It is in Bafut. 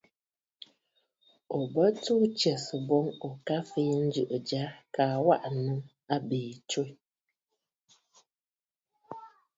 Ò bə tuu tsɛ̀sə̀ boŋ ò ka fèe njɨ̀ʼɨ̀ jya kaa waʼà nɨ̂ àbìì tswə̂.